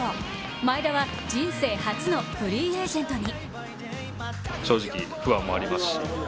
前田は人生初のフリーエージェントに。